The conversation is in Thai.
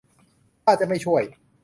ท่าจะไม่ช่วย